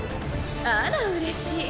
あらうれしい。